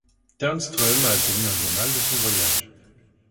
Tärnström a tenu un journal de son voyage.